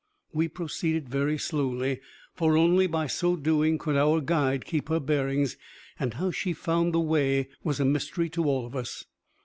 We proceeded very slowly, for only by so doing could our guide keep her bearings, and how she found the way was a mystery to all of us.